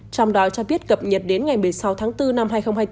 trong đó cho biết cập nhật đến ngày một mươi sáu tháng bốn năm hai nghìn hai mươi bốn